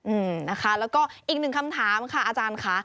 อืมนะคะแล้วก็อีกหนึ่งคำถามค่ะอาจารย์ค่ะ